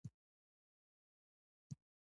زنه يې ځليدله.